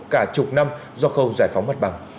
cả chục năm do không giải phóng mặt bằng